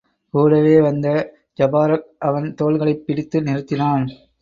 கூடவே வந்த ஜபாரக் அவன் தோள்களைப் பிடித்து நிறுத்தினான்.